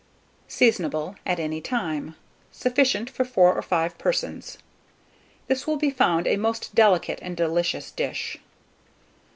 Seasonable at any time. Sufficient for 4 or 5 persons. This will be found a most delicate and delicious dish.